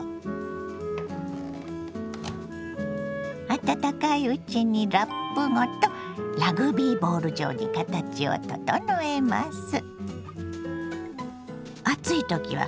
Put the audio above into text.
温かいうちにラップごとラグビーボール状に形を整えます。